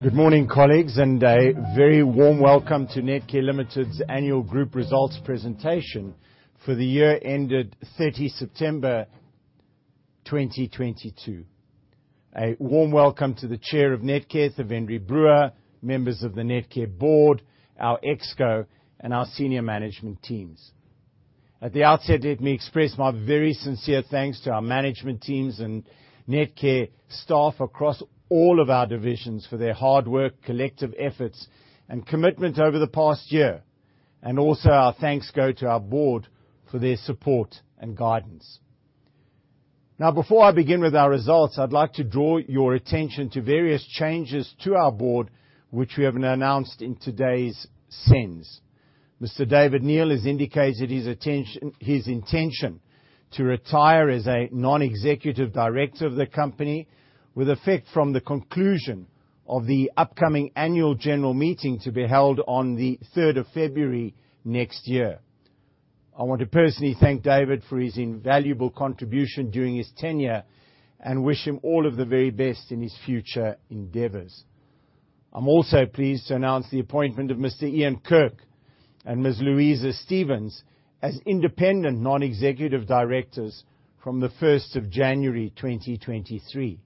Good morning, colleagues, and a very warm welcome to Netcare Limited's annual group results presentation for the year ended 30 September 2022. A warm welcome to the Chair of Netcare, Thevendrie Brewer, members of the Netcare Board, our Exco, and our senior management teams. At the outset, let me express my very sincere thanks to our management teams and Netcare staff across all of our divisions for their hard work, collective efforts, and commitment over the past year. Also, our thanks go to our Board for their support and guidance. Now before I begin with our results, I'd like to draw your attention to various changes to our Board which we have now announced in today's SENS. Mr. David Kneale has indicated his intention to retire as a Non-Executive Director of the company with effect from the conclusion of the upcoming Annual General Meeting to be held on the third of February next year. I want to personally thank David for his invaluable contribution during his tenure and wish him all of the very best in his future endeavors. I'm also pleased to announce the appointment of Mr. Ian Kirk and Ms. Louisa Stephens as Independent Non-Executive Directors from the first of January, 2023.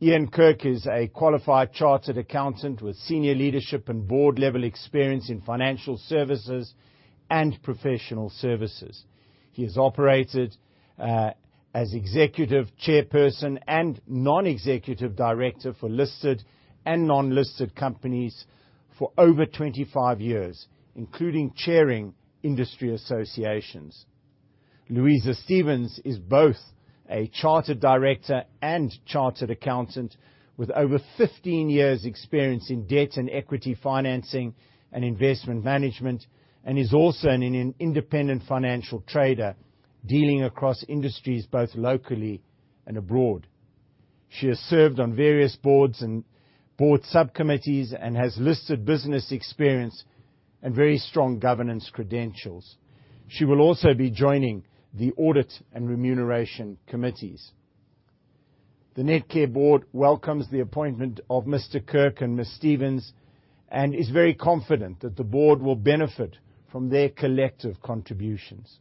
Ian Kirk is a qualified Chartered Accountant with senior leadership and board-level experience in financial services and professional services. He has operated as Executive Chairperson and Non-Executive Director for listed and non-listed companies for over 25 years, including chairing industry associations. Louisa Stephens is both a chartered director and chartered accountant with over 15 years' experience in debt and equity financing and investment management, and is also an independent financial trader dealing across industries both locally and abroad. She has served on various boards and board sub-committees and has listed business experience and very strong governance credentials. She will also be joining the audit and remuneration committees. The Netcare board welcomes the appointment of Mr. Kirk and Ms. Stephens and is very confident that the board will benefit from their collective contributions.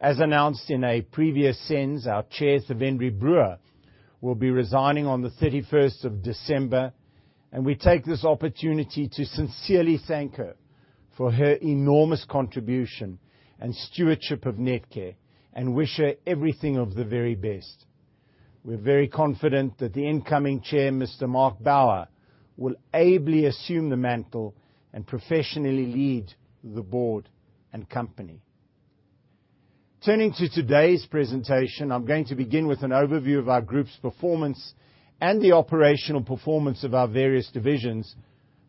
As announced in a previous SENS, our Chair, Thevendrie Brewer, will be resigning on the 31st of December, and we take this opportunity to sincerely thank her for her enormous contribution and stewardship of Netcare and wish her everything of the very best. We're very confident that the Incoming Chair, Mr. Mark Bower, will ably assume the mantle and professionally lead the board and company. Turning to today's presentation, I'm going to begin with an overview of our group's performance and the operational performance of our various divisions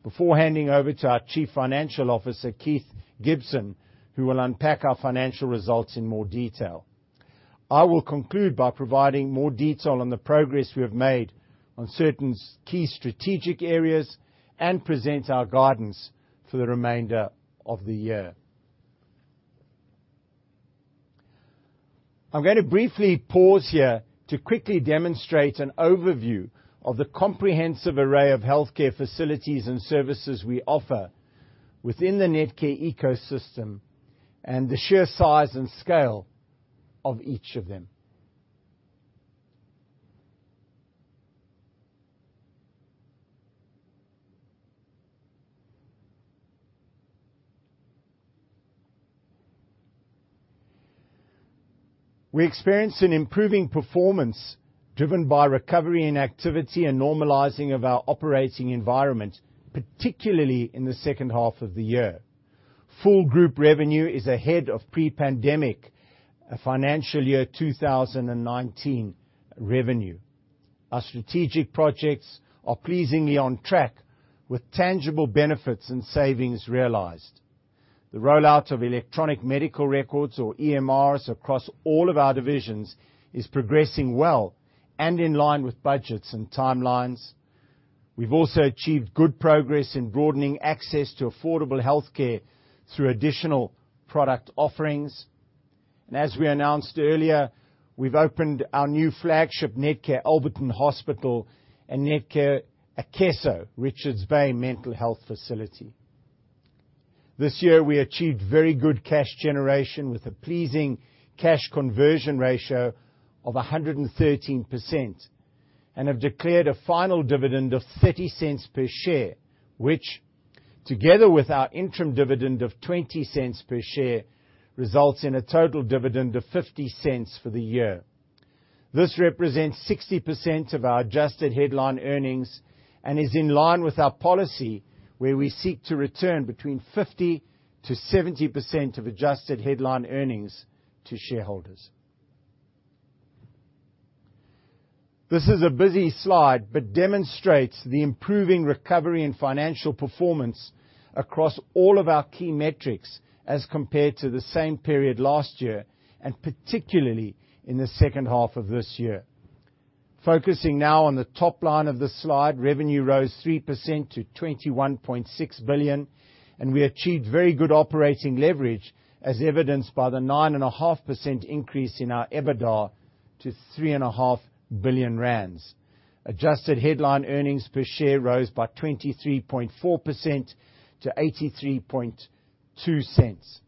before handing over to our Chief Financial Officer, Keith Gibson, who will unpack our financial results in more detail. I will conclude by providing more detail on the progress we have made on certain key strategic areas and present our guidance for the remainder of the year. I'm going to briefly pause here to quickly demonstrate an overview of the comprehensive array of healthcare facilities and services we offer within the Netcare ecosystem and the sheer size and scale of each of them. We experienced an improving performance driven by recovery in activity and normalizing of our operating environment, particularly in the second half of the year. Full group revenue is ahead of pre-pandemic financial year 2019 revenue. Our strategic projects are pleasingly on track with tangible benefits and savings realized. The rollout of electronic medical records or EMRs across all of our divisions is progressing well and in line with budgets and timelines. We've also achieved good progress in broadening access to affordable healthcare through additional product offerings. As we announced earlier, we've opened our new flagship Netcare Alberton Hospital and Netcare Akeso Richards Bay mental health facility. This year we achieved very good cash generation with a pleasing cash conversion ratio of 113% and have declared a final dividend of 0.30 per share, which, together with our interim dividend of 0.20 per share, results in a total dividend of 0.50 for the year. This represents 60% of our adjusted headline earnings and is in line with our policy where we seek to return between 50%-70% of adjusted headline earnings to shareholders. This is a busy slide, but demonstrates the improving recovery and financial performance across all of our key metrics as compared to the same period last year, and particularly in the second half of this year. Focusing now on the top line of the slide, revenue rose 3% to 21.6 billion, and we achieved very good operating leverage as evidenced by the 9.5% increase in our EBITDA to 3.5 billion rand. Adjusted headline earnings per share rose by 23.4% to 0.832.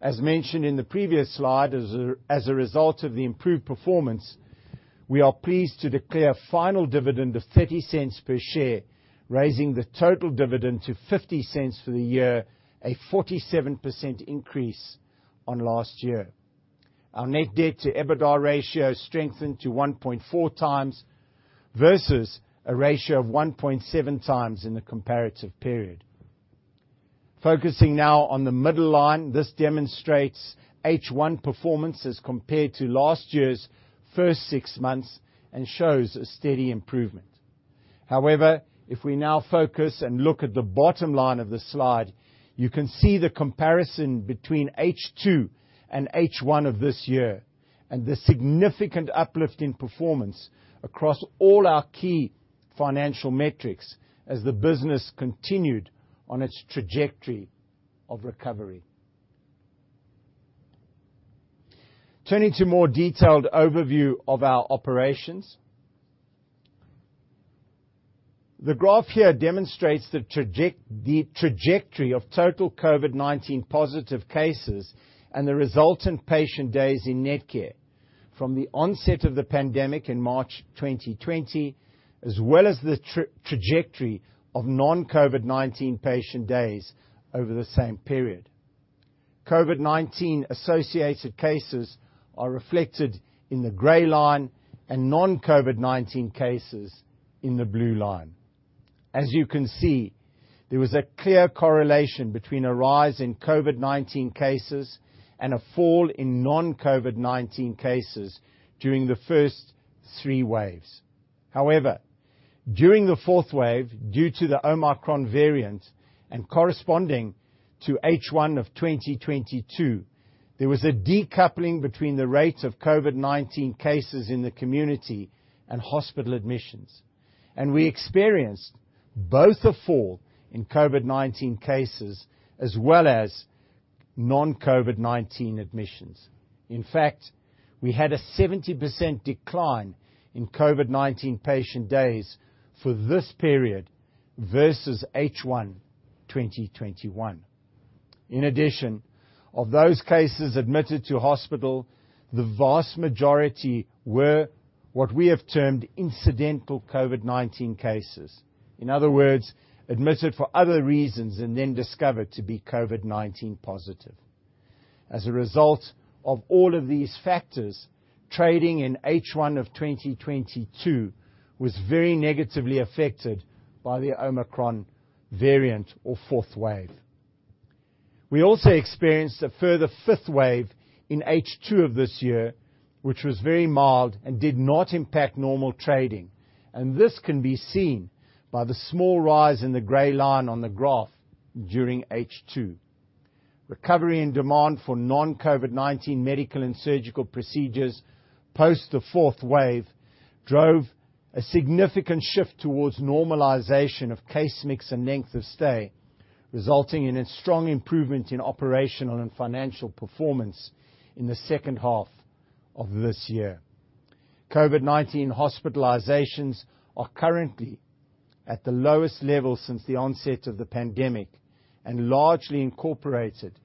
As mentioned in the previous slide, as a result of the improved performance, we are pleased to declare final dividend of 0.30 per share, raising the total dividend to 0.50 for the year, a 47% increase on last year. Our net debt to EBITDA ratio strengthened to 1.4x versus a ratio of 1.7x in the comparative period. Focusing now on the middle line, this demonstrates H1 performance as compared to last year's first six months and shows a steady improvement. However, if we now focus and look at the bottom line of the slide, you can see the comparison between H2 and H1 of this year and the significant uplift in performance across all our key financial metrics as the business continued on its trajectory of recovery. Turning to more detailed overview of our operations. The graph here demonstrates the trajectory of total COVID-19 positive cases and the resultant patient days in Netcare from the onset of the pandemic in March 2020, as well as the trajectory of non-COVID-19 patient days over the same period. COVID-19-associated cases are reflected in the gray line and non-COVID-19 cases in the blue line. As you can see, there was a clear correlation between a rise in COVID-19 cases and a fall in non-COVID-19 cases during the first three waves. However, during the fourth wave, due to the Omicron variant and corresponding to H1 of 2022, there was a decoupling between the rate of COVID-19 cases in the community and hospital admissions, and we experienced both a fall in COVID-19 cases as well as non-COVID-19 admissions. In fact, we had a 70% decline in COVID-19 patient days for this period versus H1 2021. In addition, of those cases admitted to hospital, the vast majority were what we have termed incidental COVID-19 cases. In other words, admitted for other reasons and then discovered to be COVID-19 positive. As a result of all of these factors, trading in H1 of 2022 was very negatively affected by the Omicron variant or fourth wave. We also experienced a further fifth wave in H2 of this year, which was very mild and did not impact normal trading, and this can be seen by the small rise in the gray line on the graph during H2. Recovery and demand for non-COVID-19 medical and surgical procedures post the fourth wave drove a significant shift towards normalization of case mix and length of stay, resulting in a strong improvement in operational and financial performance in the second half of this year. COVID-19 hospitalizations are currently at the lowest level since the onset of the pandemic and largely incorporated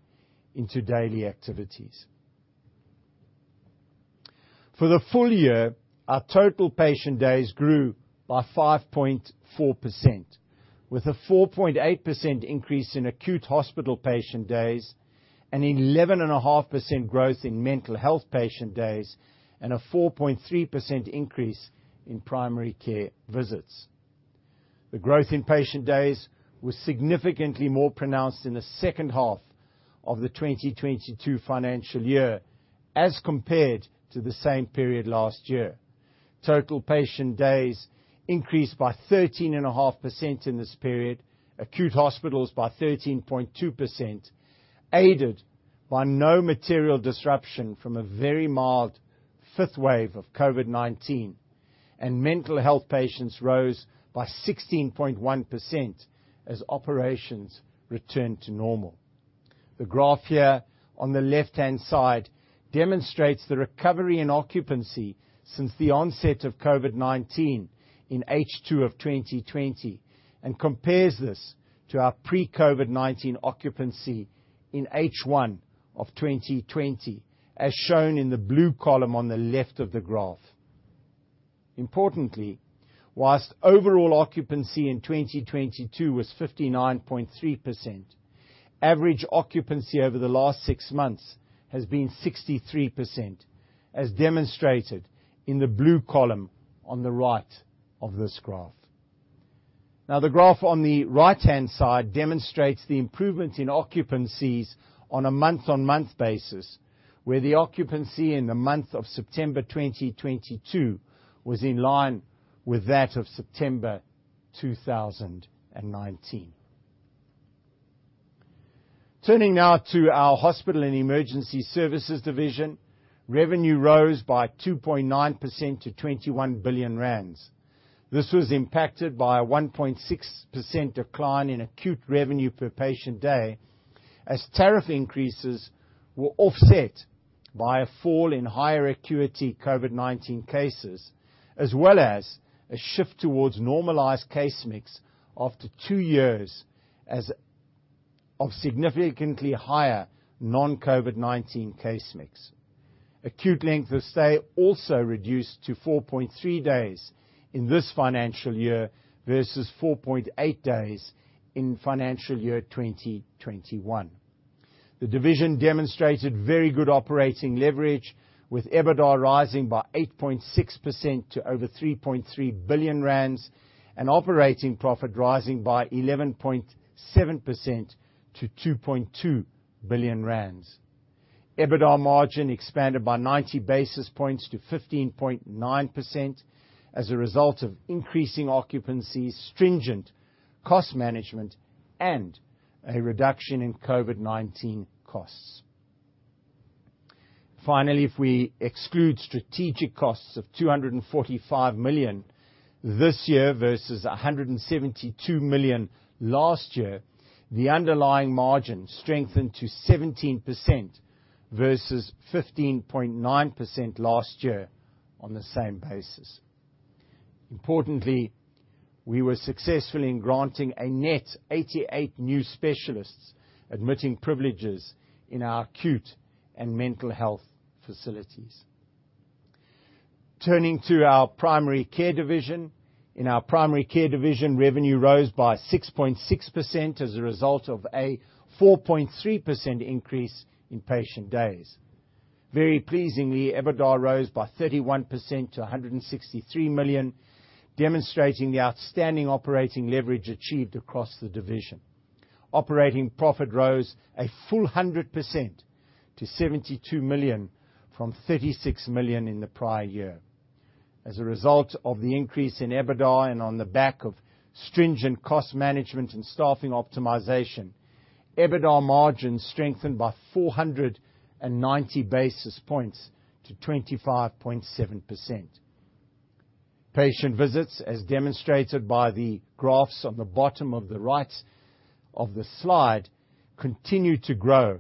into daily activities. For the full-year, our total patient days grew by 5.4%, with a 4.8% increase in acute hospital patient days and 11.5% growth in mental health patient days and a 4.3% increase in primary care visits. The growth in patient days was significantly more pronounced in the second half of the 2022 financial year as compared to the same period last year. Total patient days increased by 13.5% in this period, acute hospitals by 13.2%, aided by no material disruption from a very mild fifth wave of COVID-19, and mental health patients rose by 16.1% as operations returned to normal. The graph here on the left-hand side demonstrates the recovery in occupancy since the onset of COVID-19 in H2 of 2020 and compares this to our pre-COVID-19 occupancy in H1 of 2020, as shown in the blue column on the left of the graph. Importantly, whilst overall occupancy in 2022 was 59.3%, average occupancy over the last six months has been 63%, as demonstrated in the blue column on the right of this graph. Now the graph on the right-hand side demonstrates the improvement in occupancies on a month-on-month basis, where the occupancy in the month of September 2022 was in line with that of September 2019. Turning now to our Hospital and Emergency Services division, revenue rose by 2.9% to 21 billion rand. This was impacted by a 1.6% decline in acute revenue per patient day, as tariff increases were offset by a fall in higher acuity COVID-19 cases, as well as a shift towards normalized case mix after two years of significantly higher non-COVID-19 case mix. Acute length of stay also reduced to 4.3 days in this financial year, versus 4.8 days in financial year 2021. The division demonstrated very good operating leverage, with EBITDA rising by 8.6% to over 3.3 billion rand, operating profit rising by 11.7% to 2.2 billion rand. EBITDA margin expanded by 90 basis points to 15.9% as a result of increasing occupancy, stringent cost management, and a reduction in COVID-19 costs. Finally, if we exclude strategic costs of 245 million this year versus 172 million last year, the underlying margin strengthened to 17% versus 15.9% last year on the same basis. Importantly, we were successful in granting a net 88 new specialists admitting privileges in our acute and mental health facilities. Turning to our primary care division. In our primary care division, revenue rose by 6.6% as a result of a 4.3% increase in patient days. Very pleasingly, EBITDA rose by 31% to 163 million, demonstrating the outstanding operating leverage achieved across the division. Operating profit rose a full 100% to 72 million, from 36 million in the prior year. As a result of the increase in EBITDA and on the back of stringent cost management and staffing optimization, EBITDA margins strengthened by 490 basis points to 25.7%. Patient visits, as demonstrated by the graphs on the bottom of the right of the slide, continue to grow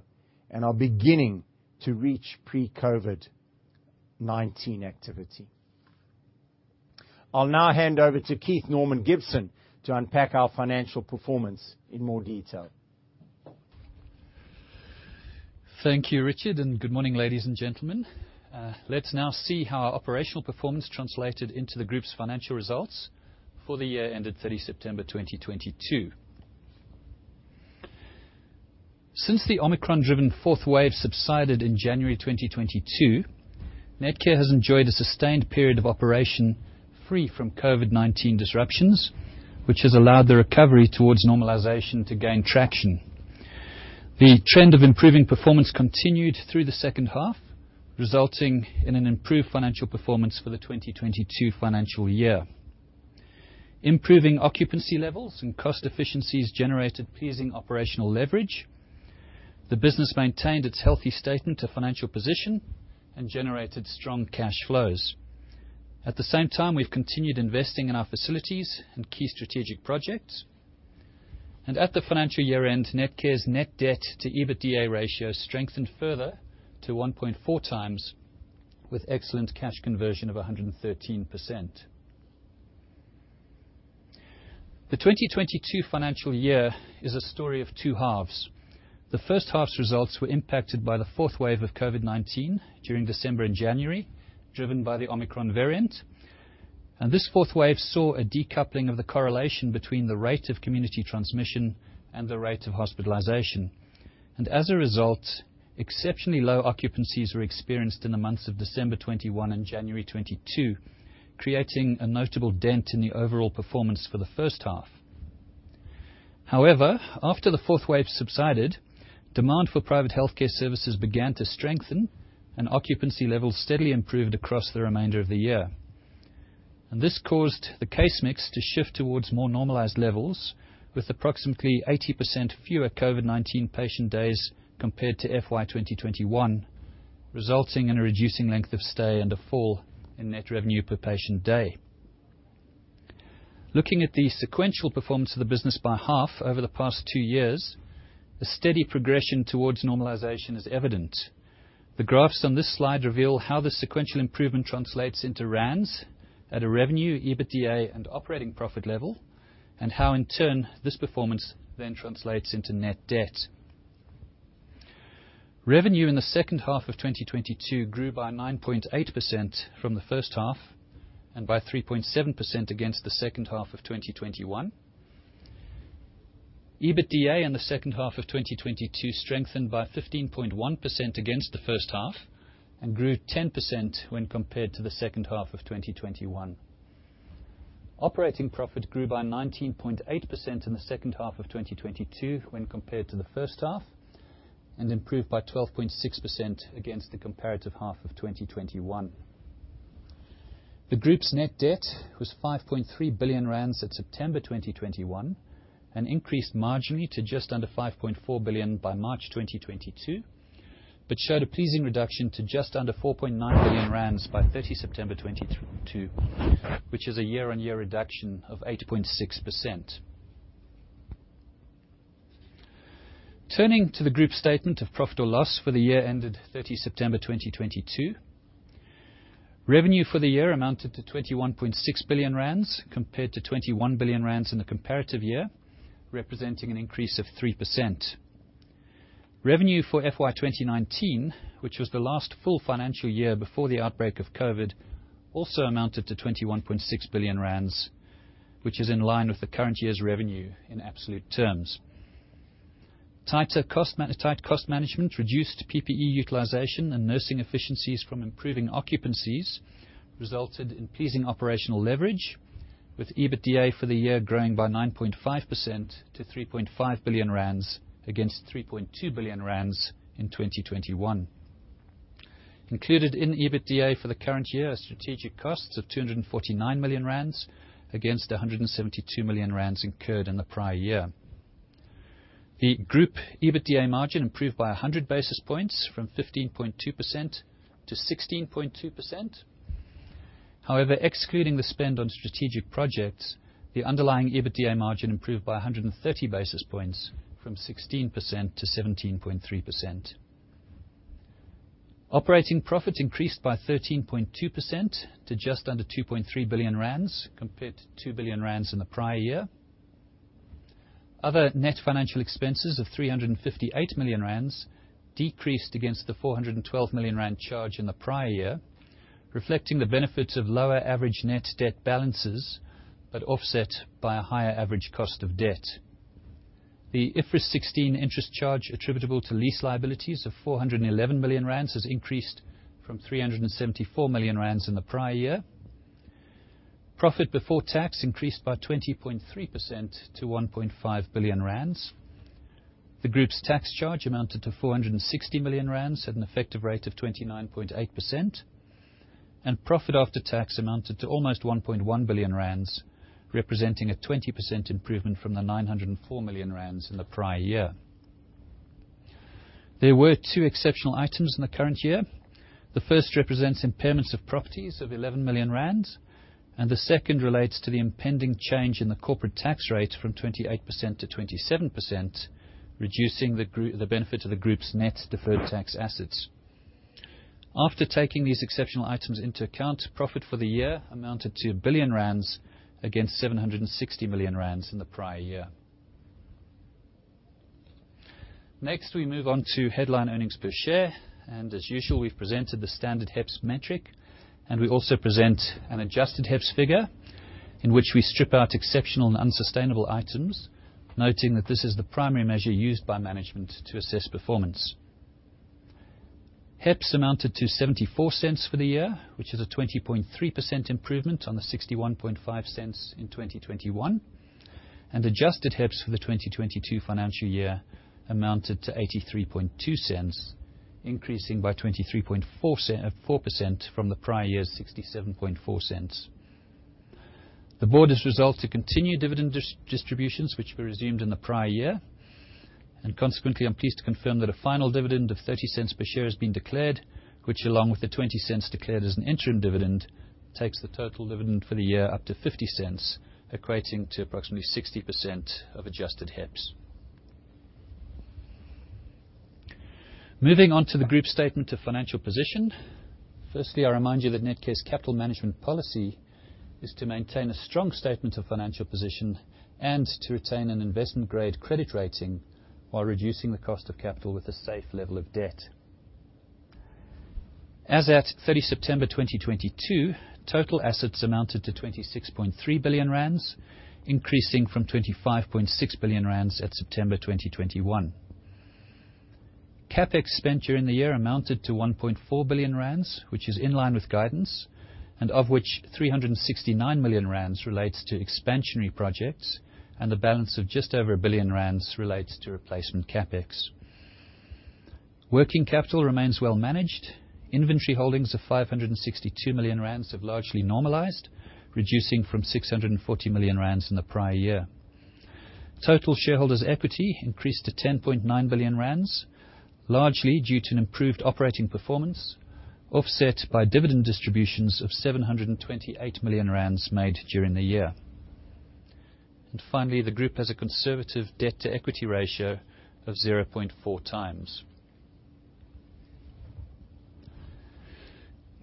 and are beginning to reach pre-COVID-19 activity. I'll now hand over to Keith Norman Gibson to unpack our financial performance in more detail. Thank you, Richard, and good morning, ladies and gentlemen. Let's now see how our operational performance translated into the Group's financial results for the year ended 30 September 2022. Since the Omicron-driven fourth wave subsided in January 2022, Netcare has enjoyed a sustained period of operation free from COVID-19 disruptions, which has allowed the recovery towards normalization to gain traction. The trend of improving performance continued through the second half, resulting in an improved financial performance for the 2022 financial year. Improving occupancy levels and cost efficiencies generated pleasing operational leverage. The business maintained its healthy statement of financial position and generated strong cash flows. At the same time, we've continued investing in our facilities and key strategic projects. At the financial year-end, Netcare's net debt to EBITDA ratio strengthened further to 1.4x with excellent cash conversion of 113%. The 2022 financial year is a story of two halves. The first half's results were impacted by the fourth wave of COVID-19 during December and January, driven by the Omicron variant. This fourth wave saw a decoupling of the correlation between the rate of community transmission and the rate of hospitalization. As a result, exceptionally low occupancies were experienced in the months of December 2021 and January 2022, creating a notable dent in the overall performance for the first half. However, after the fourth wave subsided, demand for private healthcare services began to strengthen, and occupancy levels steadily improved across the remainder of the year. This caused the case mix to shift towards more normalized levels with approximately 80% fewer COVID-19 patient days compared to FY 2021, resulting in a reducing length of stay and a fall in net revenue per patient day. Looking at the sequential performance of the business by half over the past two years, the steady progression towards normalization is evident. The graphs on this slide reveal how the sequential improvement translates into rands at a revenue, EBITDA, and operating profit level, and how in turn this performance then translates into net debt. Revenue in the second half of 2022 grew by 9.8% from the first half, and by 3.7% against the second half of 2021. EBITDA in the second half of 2022 strengthened by 15.1% against the first half and grew 10% when compared to the second half of 2021. Operating profit grew by 19.8% in the second half of 2022 when compared to the first half, and improved by 12.6% against the comparative half of 2021. The group's net debt was 5.3 billion rand at September 2021 and increased marginally to just under 5.4 billion by March 2022. Showed a pleasing reduction to just under 4.9 billion rand by 30 September 2022, which is a year-on-year reduction of 8.6%. Turning to the group statement of profit or loss for the year ended 30 September 2022. Revenue for the year amounted to 21.6 billion rand compared to 21 billion rand in the comparative year, representing an increase of 3%. Revenue for FY 2019, which was the last full financial year before the outbreak of COVID, also amounted to 21.6 billion rand, which is in line with the current year's revenue in absolute terms. Tight cost management, reduced PPE utilization, and nursing efficiencies from improving occupancies resulted in pleasing operational leverage, with EBITDA for the year growing by 9.5% to 3.5 billion rand against 3.2 billion rand in 2021. Included in the EBITDA for the current year are strategic costs of 249 million rand against 172 million rand incurred in the prior year. The group EBITDA margin improved by 100 basis points from 15.2% to 16.2%. However, excluding the spend on strategic projects, the underlying EBITDA margin improved by 130 basis points from 16% to 17.3%. Operating profits increased by 13.2% to just under 2.3 billion rand compared to 2 billion rand in the prior year. Other net financial expenses of 358 million rand decreased against the 412 million rand charge in the prior year, reflecting the benefits of lower average net debt balances, but offset by a higher average cost of debt. The IFRS 16 interest charge attributable to lease liabilities of 411 million rand has increased from 374 million rand in the prior year. Profit before tax increased by 20.3% to 1.5 billion rand. The group's tax charge amounted to 460 million rand at an effective rate of 29.8%, and profit after tax amounted to almost 1.1 billion rand, representing a 20% improvement from the 904 million rand in the prior year. There were two exceptional items in the current year. The first represents impairments of properties of 11 million rand, and the second relates to the impending change in the corporate tax rate from 28%-27%, reducing the benefit of the group's net deferred tax assets. After taking these exceptional items into account, profit for the year amounted to 1 billion rand against 760 million rand in the prior year. Next, we move on to headline earnings per share. As usual, we've presented the standard HEPS metric, and we also present an adjusted HEPS figure in which we strip out exceptional and unsustainable items, noting that this is the primary measure used by management to assess performance. HEPS amounted to 0.74 for the year, which is a 20.3% improvement on the 0.615 in 2021. Adjusted HEPS for the 2022 financial year amounted to 0.832, increasing by 23.4% from the prior year's 0.674. The Board has resolved to continue dividend distributions which were resumed in the prior year. Consequently, I'm pleased to confirm that a final dividend of 0.30 per share has been declared, which, along with the 0.20 declared as an interim dividend, takes the total dividend for the year up to 0.50, equating to approximately 60% of adjusted HEPS. Moving on to the group statement of financial position. Firstly, I remind you that Netcare's capital management policy is to maintain a strong statement of financial position and to retain an investment-grade credit rating while reducing the cost of capital with a safe level of debt. As at 30 September 2022, total assets amounted to 26.3 billion rand, increasing from 25.6 billion rand at September 2021. CapEx spent during the year amounted to 1.4 billion rand, which is in line with guidance, and of which 369 million rand relates to expansionary projects and the balance of just over 1 billion rand relates to replacement CapEx. Working capital remains well managed. Inventory holdings of 562 million rand have largely normalized, reducing from 640 million rand in the prior year. Total shareholders equity increased to 10.9 billion rand, largely due to an improved operating performance, offset by dividend distributions of 728 million rand made during the year. Finally, the Group has a conservative debt-to-equity ratio of 0.4 times.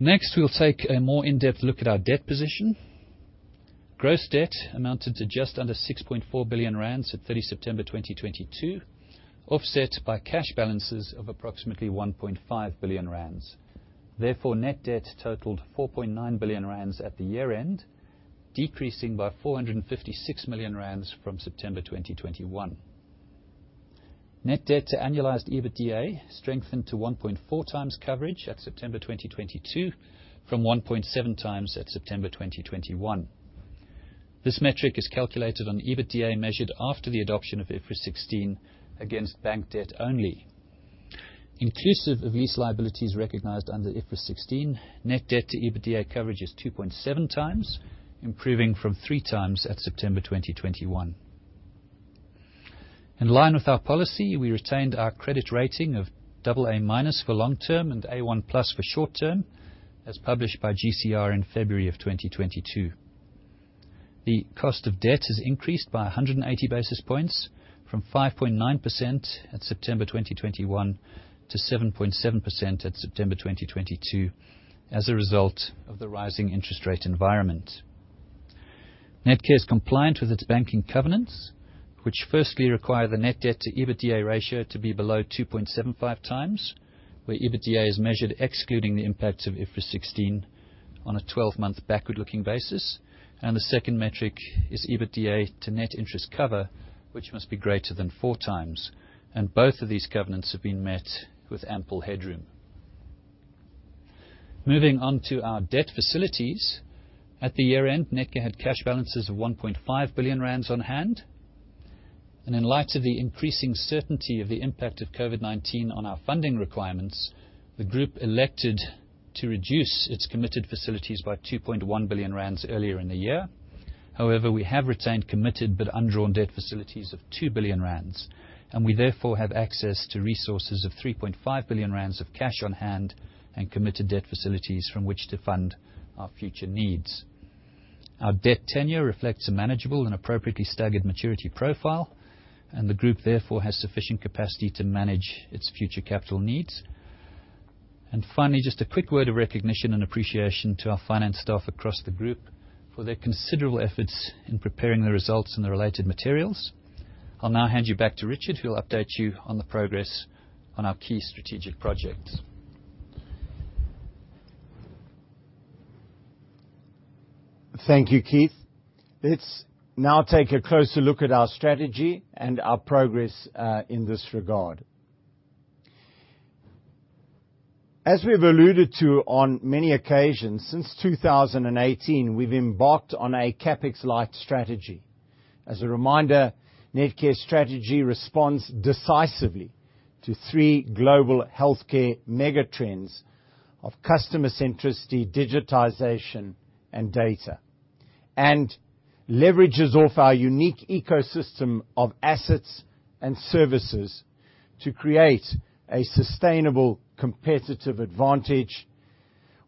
Next, we'll take a more in-depth look at our debt position. Gross debt amounted to just under 6.4 billion rand at 30 September 2022, offset by cash balances of approximately 1.5 billion rand. Therefore, net debt totaled 4.9 billion rand at the year-end, decreasing by 456 million rand from September 2021. Net debt to annualized EBITDA strengthened to 1.4x coverage at September 2022 from 1.7x at September 2021. This metric is calculated on the EBITDA measured after the adoption of IFRS 16 against bank debt only. Inclusive of lease liabilities recognized under IFRS 16, net debt to EBITDA coverage is 2.7x, improving from 3x at September 2021. In line with our policy, we retained our credit rating of AA- for long-term and A1+ for short-term, as published by GCR in February of 2022. The cost of debt has increased by 180 basis points from 5.9% at September 2021 to 7.7% at September 2022 as a result of the rising interest rate environment. Netcare is compliant with its banking covenants, which firstly require the net debt to EBITDA ratio to be below 2.75x, where EBITDA is measured excluding the impact of IFRS 16 on a 12-month backward-looking basis. The second metric is EBITDA to net interest cover, which must be greater than 4x, and both of these covenants have been met with ample headroom. Moving on to our debt facilities. At the year-end, Netcare had cash balances of 1.5 billion rand on hand. In light of the increasing certainty of the impact of COVID-19 on our funding requirements, the group elected to reduce its committed facilities by 2.1 billion rand earlier in the year. However, we have retained committed but undrawn debt facilities of 2 billion rand, and we therefore have access to resources of 3.5 billion rand of cash on hand and committed debt facilities from which to fund our future needs. Our debt tenure reflects a manageable and appropriately staggered maturity profile, and the group therefore has sufficient capacity to manage its future capital needs. Finally, just a quick word of recognition and appreciation to our finance staff across the group for their considerable efforts in preparing the results and the related materials. I'll now hand you back to Richard, who will update you on the progress on our key strategic projects. Thank you, Keith. Let's now take a closer look at our strategy and our progress in this regard. As we've alluded to on many occasions since 2018, we've embarked on a CapEx light strategy. As a reminder, Netcare's strategy responds decisively to three global healthcare mega-trends of customer centricity, digitization, and data, and leverages off our unique ecosystem of assets and services to create a sustainable competitive advantage,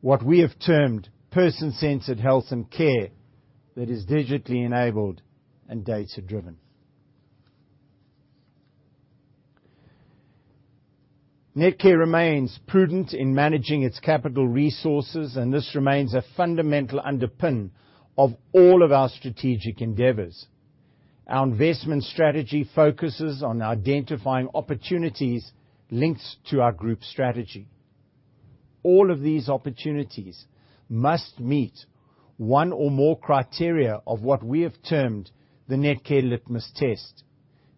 what we have termed person-centered health and care that is digitally enabled and data-driven. Netcare remains prudent in managing its capital resources, and this remains a fundamental underpin of all of our strategic endeavors. Our investment strategy focuses on identifying opportunities linked to our group strategy. All of these opportunities must meet one or more criteria of what we have termed the Netcare litmus test.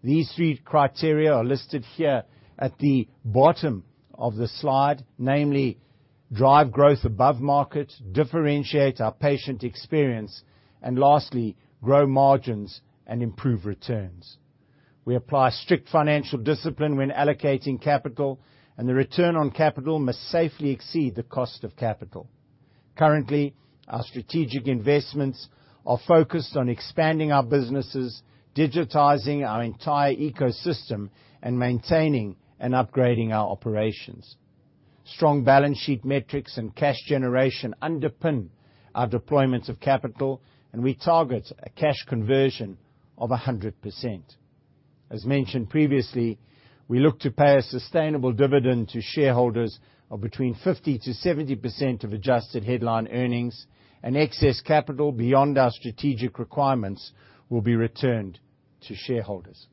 These three criteria are listed here at the bottom of the slide, namely drive growth above market, differentiate our patient experience, and lastly, grow margins and improve returns. We apply strict financial discipline when allocating capital, and the return on capital must safely exceed the cost of capital. Currently, our strategic investments are focused on expanding our businesses, digitizing our entire ecosystem, and maintaining and upgrading our operations. Strong balance sheet metrics and cash generation underpin our deployments of capital, and we target a cash conversion of 100%. As mentioned previously, we look to pay a sustainable dividend to shareholders of between 50%-70% of adjusted headline earnings, and excess capital beyond our strategic requirements will be returned to shareholders.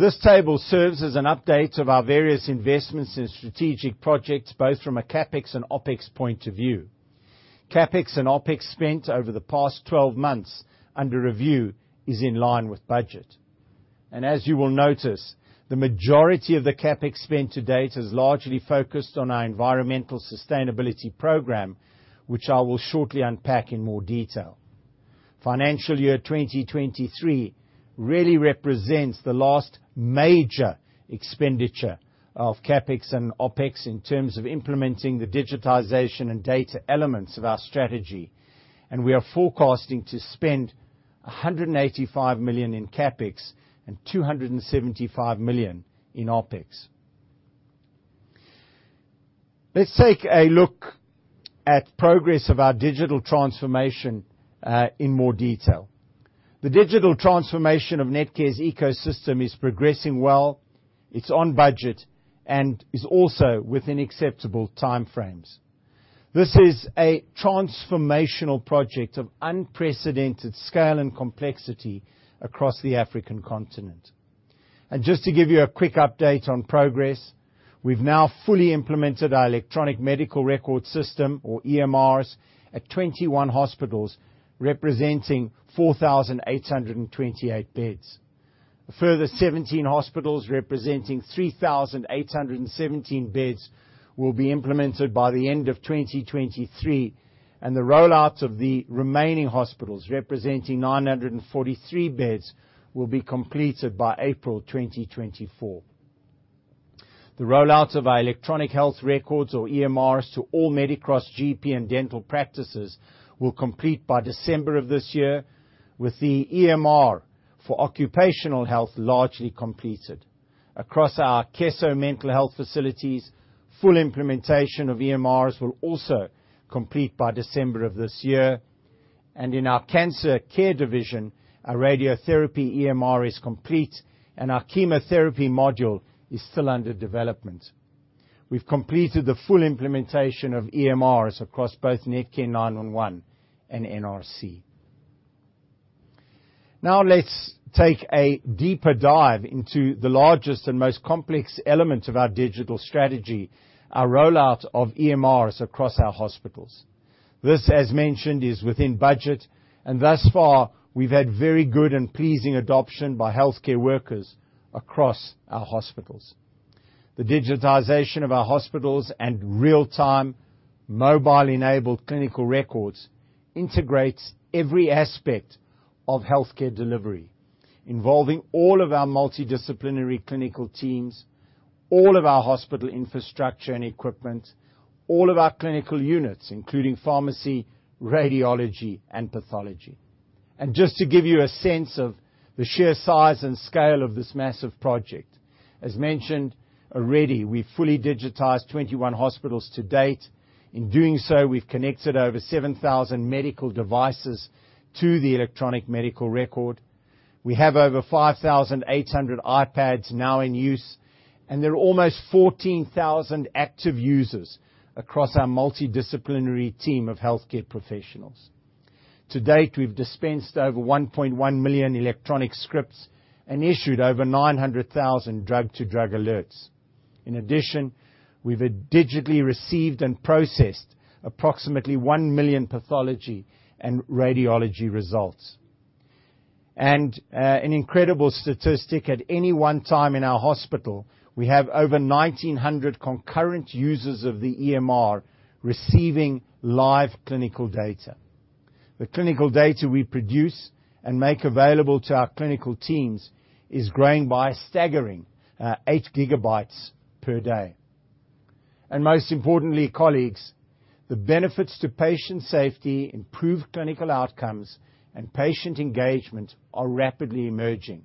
This table serves as an update of our various investments in strategic projects, both from a CapEx and OpEx point of view. CapEx and OpEx spent over the past 12 months under review is in line with budget. As you will notice, the majority of the CapEx spent to date is largely focused on our environmental sustainability program, which I will shortly unpack in more detail. Financial year 2023 really represents the last major expenditure of CapEx and OpEx in terms of implementing the digitization and data elements of our strategy. We are forecasting to spend 185 million in CapEx and 275 million in OpEx. Let's take a look at progress of our digital transformation in more detail. The digital transformation of Netcare's ecosystem is progressing well, it's on budget, and is also within acceptable time frames. This is a transformational project of unprecedented scale and complexity across the African continent. Just to give you a quick update on progress, we've now fully implemented our electronic medical record system or EMRs at 21 hospitals, representing 4,828 beds. A further 17 hospitals representing 3,817 beds will be implemented by the end of 2023, and the rollout of the remaining hospitals, representing 943 beds, will be completed by April 2024. The rollout of our electronic health records, or EMRs, to all Medicross GP and dental practices will complete by December of this year, with the EMR for occupational health largely completed. Across our Akeso mental health facilities, full implementation of EMRs will also complete by December of this year. In our cancer care division, our radiotherapy EMR is complete, and our chemotherapy module is still under development. We've completed the full implementation of EMRs across both Netcare 911 and NRC. Now let's take a deeper dive into the largest and most complex element of our digital strategy, our rollout of EMRs across our hospitals. This, as mentioned, is within budget, and thus far, we've had very good and pleasing adoption by healthcare workers across our hospitals. The digitization of our hospitals and real-time mobile-enabled clinical records integrates every aspect of healthcare delivery, involving all of our multidisciplinary clinical teams, all of our hospital infrastructure and equipment, all of our clinical units, including pharmacy, radiology, and pathology. Just to give you a sense of the sheer size and scale of this massive project, as mentioned already, we've fully digitized 21 hospitals to date. In doing so, we've connected over 7,000 medical devices to the electronic medical record. We have over 5,800 iPads now in use, and there are almost 14,000 active users across our multidisciplinary team of healthcare professionals. To date, we've dispensed over 1.1 million electronic scripts and issued over 900,000 drug-to-drug alerts. In addition, we've digitally received and processed approximately 1 million pathology and radiology results. An incredible statistic, at any one time in our hospital, we have over 1,900 concurrent users of the EMR receiving live clinical data. The clinical data we produce and make available to our clinical teams is growing by a staggering eight gigabytes per day. Most importantly, colleagues, the benefits to patient safety, improved clinical outcomes, and patient engagement are rapidly emerging,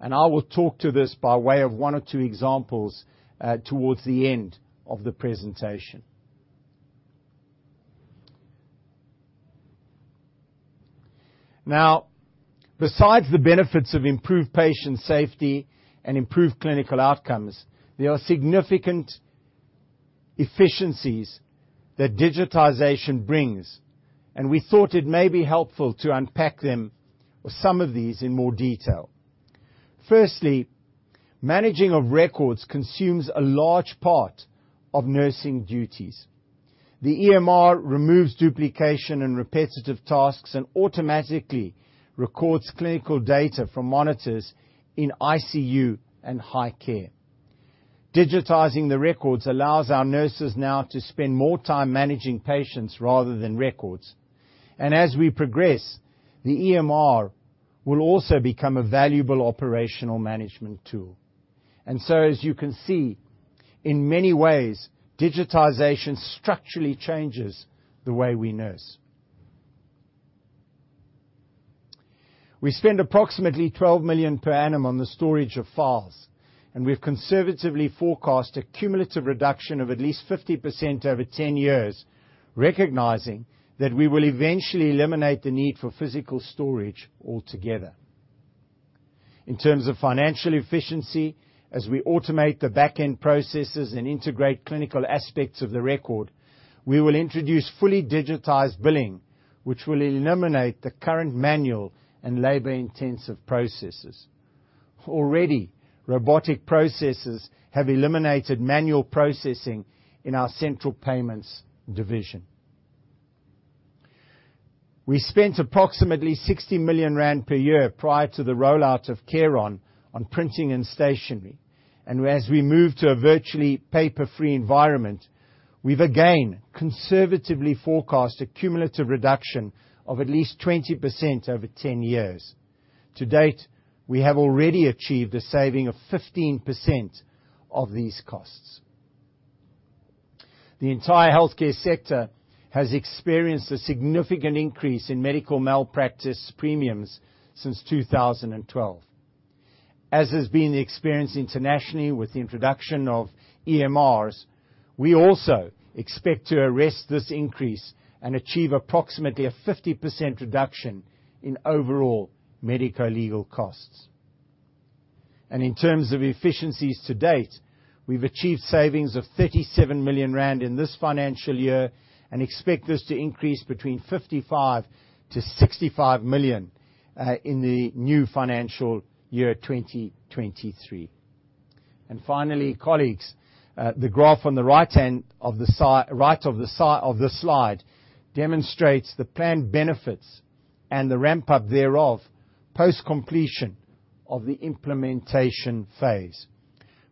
and I will talk to this by way of one or two examples towards the end of the presentation. Now, besides the benefits of improved patient safety and improved clinical outcomes, there are significant efficiencies that digitization brings, and we thought it may be helpful to unpack them or some of these in more detail. Firstly, managing of records consumes a large part of nursing duties. The EMR removes duplication and repetitive tasks and automatically records clinical data from monitors in ICU and high care. Digitizing the records allows our nurses now to spend more time managing patients rather than records. As we progress, the EMR will also become a valuable operational management tool. As you can see, in many ways, digitization structurally changes the way we nurse. We spend approximately 12 million per annum on the storage of files, and we've conservatively forecast a cumulative reduction of at least 50% over 10 years, recognizing that we will eventually eliminate the need for physical storage altogether. In terms of financial efficiency, as we automate the back-end processes and integrate clinical aspects of the record, we will introduce fully digitized billing, which will eliminate the current manual and labor-intensive processes. Already, robotic processes have eliminated manual processing in our central payments division. We spent approximately 60 million rand per year prior to the rollout of CareOn on printing and stationery. As we move to a virtually paper-free environment, we've again conservatively forecast a cumulative reduction of at least 20% over 10 years. To date, we have already achieved a saving of 15% of these costs. The entire healthcare sector has experienced a significant increase in medical malpractice premiums since 2012. As has been the experience internationally with the introduction of EMRs, we also expect to arrest this increase and achieve approximately a 50% reduction in overall medico-legal costs. In terms of efficiencies to date, we've achieved savings of 37 million rand in this financial year and expect this to increase between 55 million-65 million in the new financial year, 2023. Finally, colleagues, the graph on the right of the slide demonstrates the planned benefits and the ramp-up thereof post completion of the implementation phase.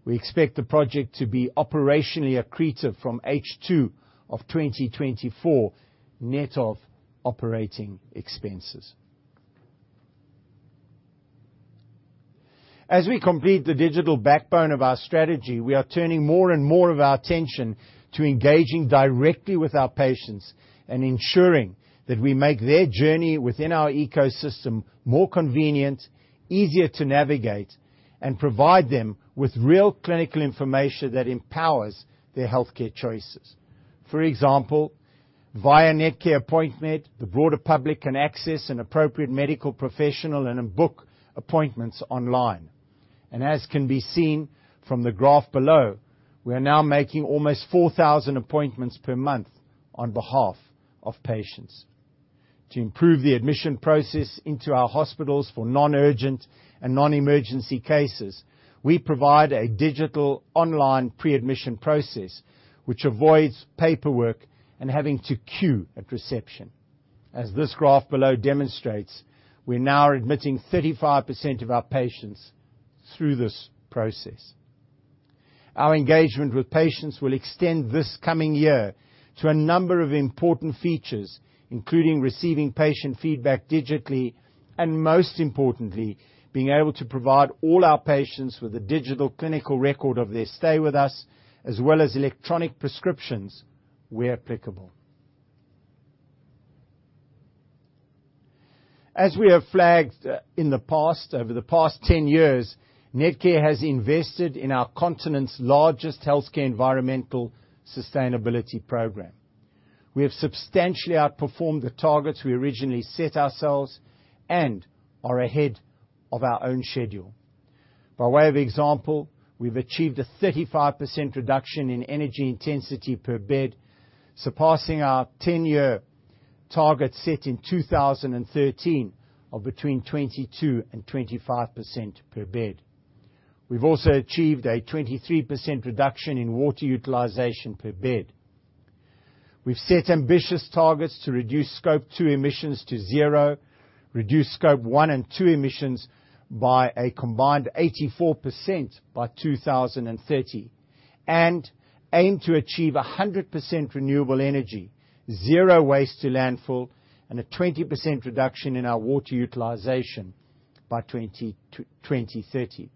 We expect the project to be operationally accretive from H2 of 2024 net of operating expenses. As we complete the digital backbone of our strategy, we are turning more and more of our attention to engaging directly with our patients and ensuring that we make their journey within our ecosystem more convenient, easier to navigate, and provide them with real clinical information that empowers their healthcare choices. For example, via Netcare appointmed, the broader public can access an appropriate medical professional and then book appointments online. As can be seen from the graph below, we are now making almost 4,000 appointments per month on behalf of patients. To improve the admission process into our hospitals for non-urgent and non-emergency cases, we provide a digital online pre-admission process which avoids paperwork and having to queue at reception. As this graph below demonstrates, we now are admitting 35% of our patients through this process. Our engagement with patients will extend this coming year to a number of important features, including receiving patient feedback digitally and, most importantly, being able to provide all our patients with a digital clinical record of their stay with us, as well as electronic prescriptions where applicable. As we have flagged in the past, over the past 10 years, Netcare has invested in our continent's largest healthcare environmental sustainability program. We have substantially outperformed the targets we originally set ourselves and are ahead of our own schedule. By way of example, we've achieved a 35% reduction in energy intensity per bed, surpassing our 10-year target set in 2013 of between 22% and 25% per bed. We've also achieved a 23% reduction in water utilization per bed. We've set ambitious targets to reduce Scope 2 emissions to zero, reduce Scope 1 and 2 emissions by a combined 84% by 2030, and aim to achieve 100% renewable energy, zero waste to landfill, and a 20% reduction in our water utilization by 2030.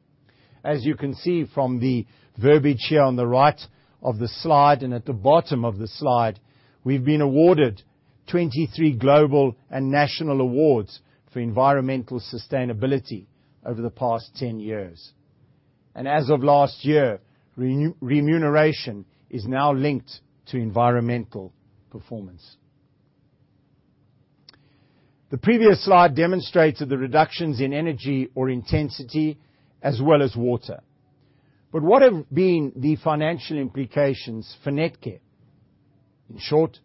As you can see from the verbiage here on the right of the slide and at the bottom of the slide, we've been awarded 23 global and national awards for environmental sustainability over the past 10 years. As of last year, remuneration is now linked to environmental performance. The previous slide demonstrated the reductions in energy intensity as well as water. What have been the financial implications for Netcare? In short,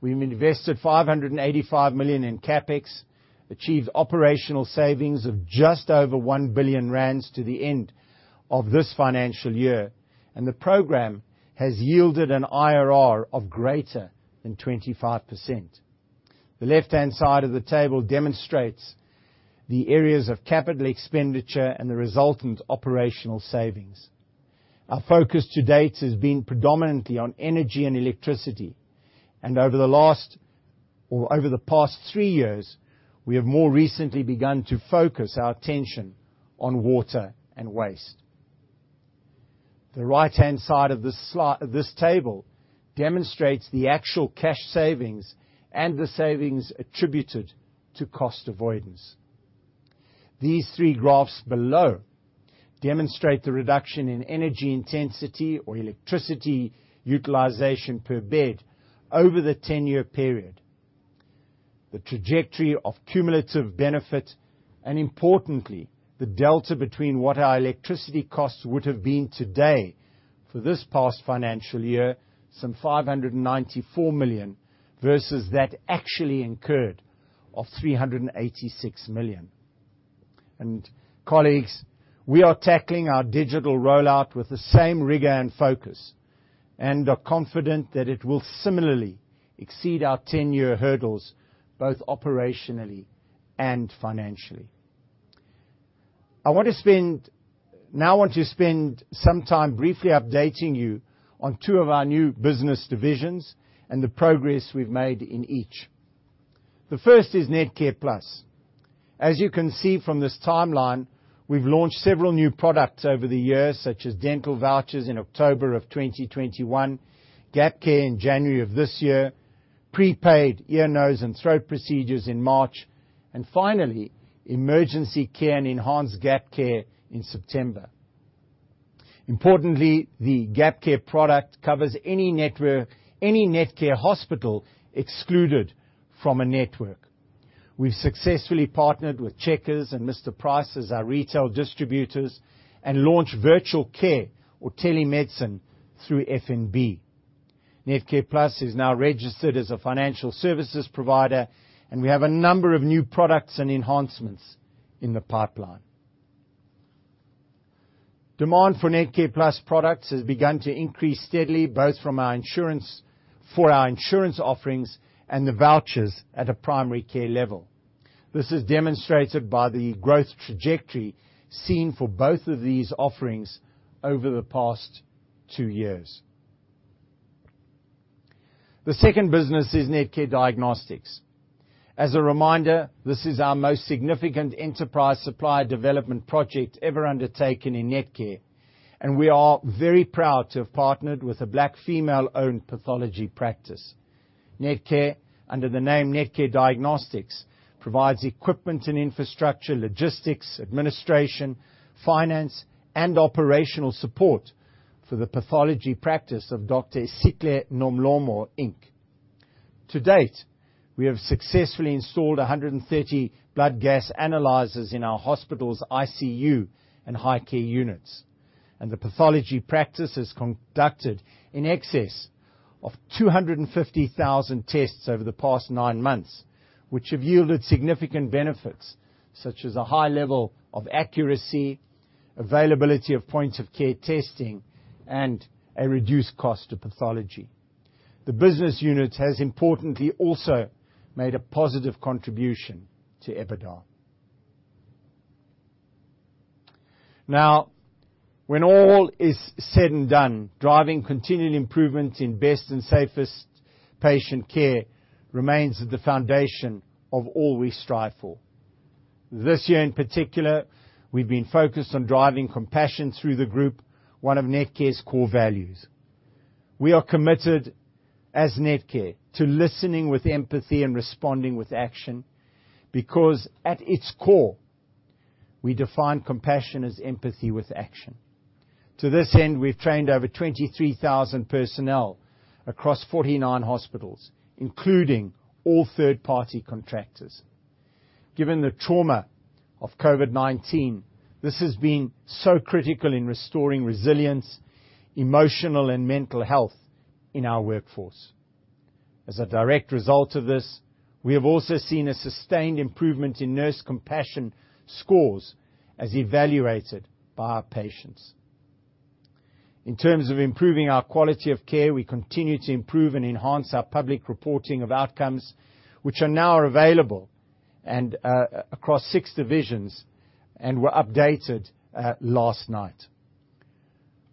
we've invested 585 million in CapEx, achieved operational savings of just over 1 billion rand to the end of this financial year, and the program has yielded an IRR of greater than 25%. The left-hand side of the table demonstrates the areas of capital expenditure and the resultant operational savings. Our focus to date has been predominantly on energy and electricity, and over the past three years, we have more recently begun to focus our attention on water and waste. The right-hand side of this table demonstrates the actual cash savings and the savings attributed to cost avoidance. These three graphs below demonstrate the reduction in energy intensity or electricity utilization per bed over the 10-year period, the trajectory of cumulative benefit, and, importantly, the delta between what our electricity costs would have been today for this past financial year, some 594 million, versus that actually incurred of 386 million. Colleagues, we are tackling our digital rollout with the same rigor and focus and are confident that it will similarly exceed our 10-year hurdles, both operationally and financially. Now I want to spend some time briefly updating you on two of our new business divisions and the progress we've made in each. The first is NetcarePlus. As you can see from this timeline, we've launched several new products over the years, such as dental vouchers in October of 2021, GapCare in January of this year, prepaid ear, nose, and throat procedures in March, and finally, emergency care and enhanced gap care in September. Importantly, the GapCare product covers any network, any Netcare hospital excluded from a network. We've successfully partnered with Checkers and Mr Price as our retail distributors and launched virtual care or telemedicine through FNB. NetcarePlus is now registered as a financial services provider, and we have a number of new products and enhancements in the pipeline. Demand for NetcarePlus products has begun to increase steadily, both for our insurance offerings and the vouchers at a primary care level. This is demonstrated by the growth trajectory seen for both of these offerings over the past two years. The second business is Netcare Diagnostics. As a reminder, this is our most significant enterprise supply development project ever undertaken in Netcare, and we are very proud to have partnered with a Black female-owned pathology practice. Netcare, under the name Netcare Diagnostics, provides equipment and infrastructure, logistics, administration, finance, and operational support for the pathology practice of Dr. Esihle Nomlomo Inc. To date, we have successfully installed 130 blood gas analyzers in our hospital's ICU and high care units. The pathology practice has conducted in excess of 250,000 tests over the past nine months, which have yielded significant benefits, such as a high level of accuracy, availability of point-of-care testing, and a reduced cost of pathology. The business unit has importantly also made a positive contribution to EBITDA. Now, when all is said and done, driving continued improvements in best and safest patient care remains at the foundation of all we strive for. This year in particular, we've been focused on driving compassion through the group, one of Netcare's core values. We are committed as Netcare to listening with empathy and responding with action, because at its core, we define compassion as empathy with action. To this end, we've trained over 23,000 personnel across 49 hospitals, including all third-party contractors. Given the trauma of COVID-19, this has been so critical in restoring resilience, emotional, and mental health in our workforce. As a direct result of this, we have also seen a sustained improvement in nurse compassion scores as evaluated by our patients. In terms of improving our quality of care, we continue to improve and enhance our public reporting of outcomes, which are now available, and across six divisions and were updated last night.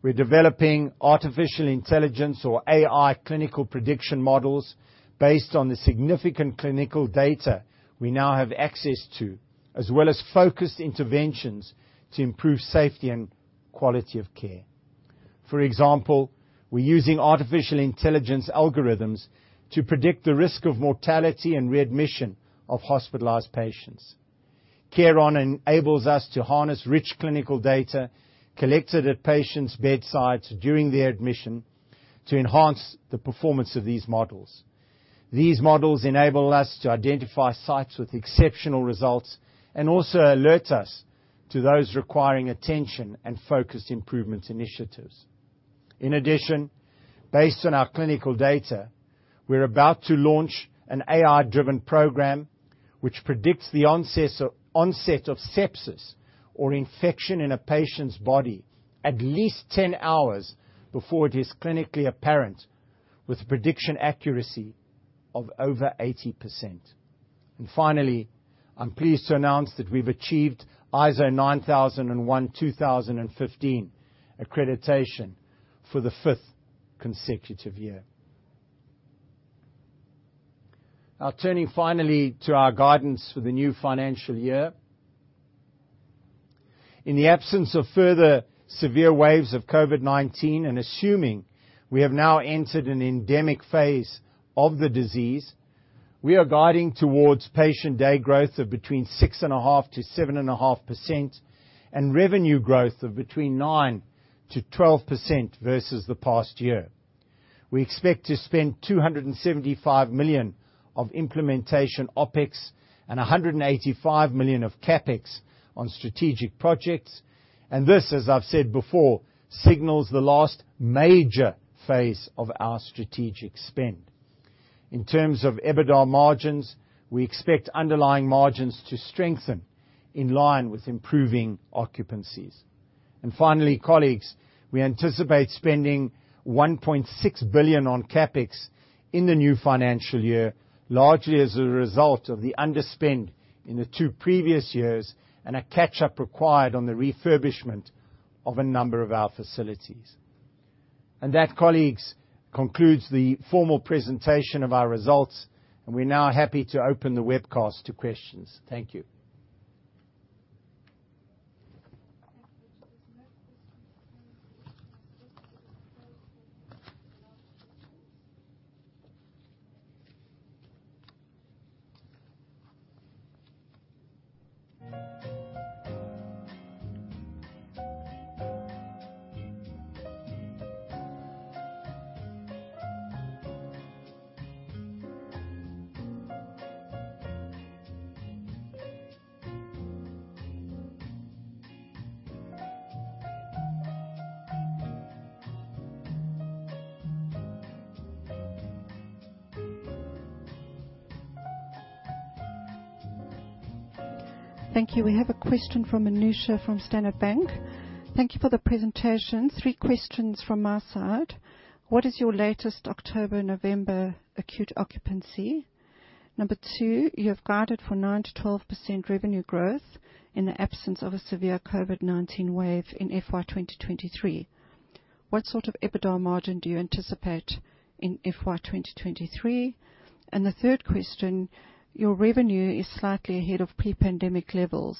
We're developing artificial intelligence or AI clinical prediction models based on the significant clinical data we now have access to, as well as focused interventions to improve safety and quality of care. For example, we're using artificial intelligence algorithms to predict the risk of mortality and readmission of hospitalized patients. CareOn enables us to harness rich clinical data collected at patients' bedsides during their admission to enhance the performance of these models. These models enable us to identify sites with exceptional results and also alert us to those requiring attention and focused improvement initiatives. In addition, based on our clinical data, we're about to launch an AI-driven program which predicts the onset of sepsis or infection in a patient's body at least 10 hours before it is clinically apparent with prediction accuracy of over 80%. Finally, I'm pleased to announce that we've achieved ISO 9001:2015 accreditation for the fifth consecutive year. Now turning finally to our guidance for the new financial year. In the absence of further severe waves of COVID-19 and assuming we have now entered an endemic phase of the disease, we are guiding towards patient day growth of between 6.5%-7.5%, and revenue growth of between 9%-12% versus the past year. We expect to spend 275 million of implementation OpEx and 185 million of CapEx on strategic projects. This, as I've said before, signals the last major phase of our strategic spend. In terms of EBITDA margins, we expect underlying margins to strengthen in line with improving occupancies. Finally, colleagues, we anticipate spending 1.6 billion on CapEx in the new financial year, largely as a result of the underspend in the two previous years and a catch-up required on the refurbishment of a number of our facilities. That, colleagues, concludes the formal presentation of our results, and we're now happy to open the webcast to questions. Thank you. Thank you. We have a question from Anusha from Standard Bank. Thank you for the presentation. Three questions from our side. What is your latest October, November acute occupancy? Number two, you have guided for 9%-12% revenue growth in the absence of a severe COVID-19 wave in FY 2023. What sort of EBITDA margin do you anticipate in FY 2023? The third question, your revenue is slightly ahead of pre-pandemic levels.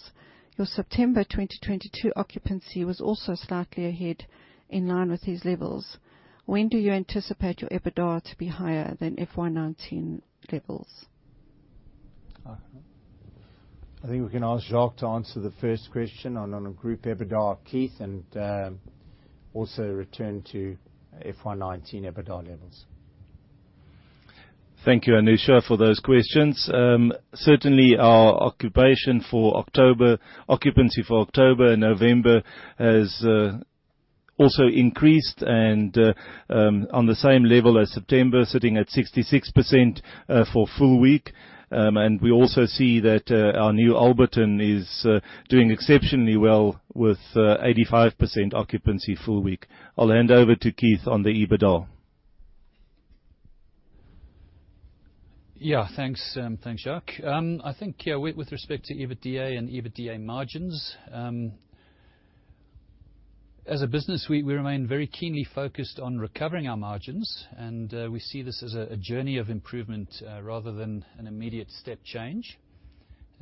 Your September 2022 occupancy was also slightly ahead in line with these levels. When do you anticipate your EBITDA to be higher than FY 2019 levels? I think we can ask Jacques to answer the first question on a group EBITDA, Keith, and also return to FY 2019 EBITDA levels. Thank you, Anusha, for those questions. Certainly our occupancy for October and November has also increased and on the same level as September, sitting at 66% full-week. We also see that our new Alberton is doing exceptionally well with 85% full-week. I'll hand over to Keith on the EBITDA. Yeah. Thanks, Jacques. I think yeah, with respect to EBITDA and EBITDA margins, as a business, we remain very keenly focused on recovering our margins and we see this as a journey of improvement rather than an immediate step change.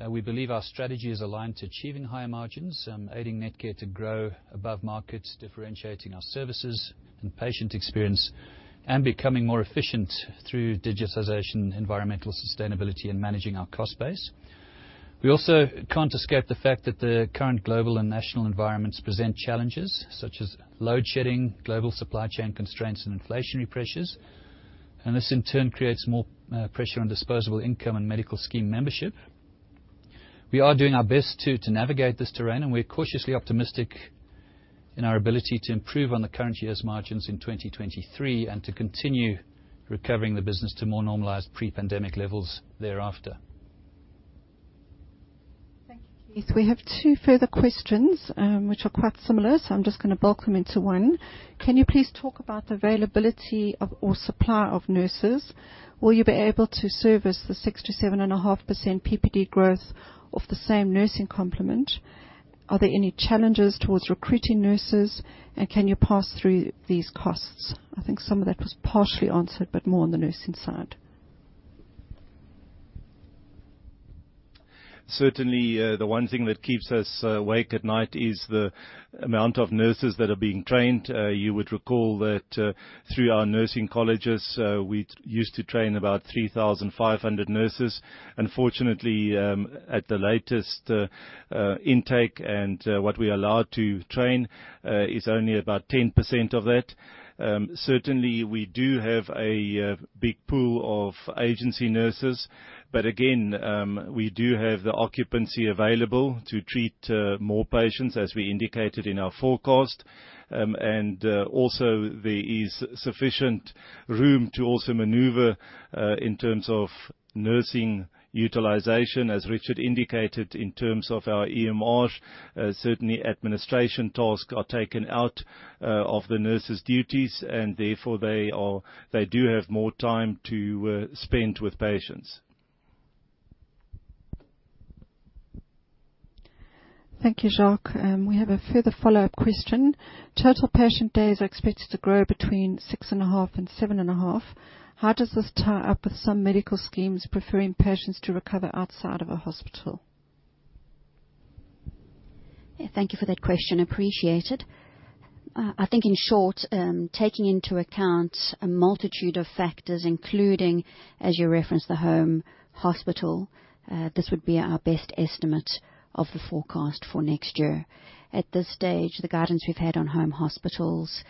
We believe our strategy is aligned to achieving higher margins, aiding Netcare to grow above markets, differentiating our services and patient experience, and becoming more efficient through digitization, environmental sustainability, and managing our cost base. We also can't escape the fact that the current global and national environments present challenges such as load shedding, global supply chain constraints, and inflationary pressures. This in turn creates more pressure on disposable income and medical scheme membership. We are doing our best to navigate this terrain, and we're cautiously optimistic in our ability to improve on the current year's margins in 2023 and to continue recovering the business to more normalized pre-pandemic levels thereafter. Thank you, Keith. We have two further questions which are quite similar, so I'm just gonna bulk them into one. Can you please talk about the availability of or supply of nurses? Will you be able to service the 6%-7.5% PPD growth of the same nursing complement? Are there any challenges towards recruiting nurses, and can you pass through these costs? I think some of that was partially answered, but more on the nursing side. Certainly, the one thing that keeps us awake at night is the amount of nurses that are being trained. You would recall that through our nursing colleges, we used to train about 3,500 nurses. Unfortunately, at the latest intake and what we are allowed to train is only about 10% of that. Certainly, we do have a big pool of agency nurses, but again, we do have the occupancy available to treat more patients, as we indicated in our forecast. Also there is sufficient room to also maneuver in terms of nursing utilization, as Richard indicated, in terms of our EMR. Certainly, administration tasks are taken out of the nurses' duties, and therefore, they do have more time to spend with patients. Thank you, Jacques. We have a further follow-up question. Total patient days are expected to grow between 6.5% and 7.5%. How does this tie up with some medical schemes preferring patients to recover outside of a hospital? Yeah, thank you for that question. Appreciated. I think, in short, taking into account a multitude of factors, including, as you referenced, the hospital-at-home, this would be our best estimate of the forecast for next year. At this stage, the guidance we've had on hospital-at-homes,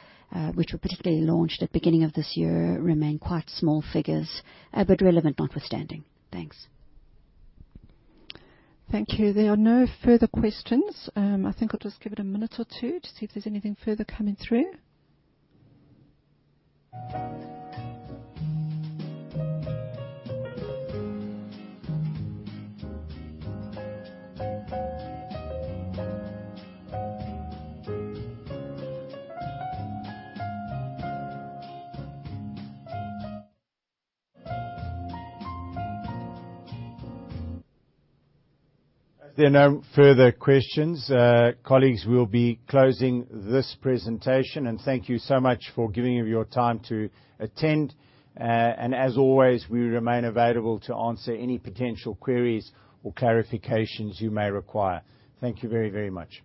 which were particularly launched at beginning of this year, remain quite small figures, but relevant notwithstanding. Thanks. Thank you. There are no further questions. I think I'll just give it a minute or two to see if there's anything further coming through. If there are no further questions, colleagues, we'll be closing this presentation. Thank you so much for giving your time to attend. As always, we remain available to answer any potential queries or clarifications you may require. Thank you very, very much.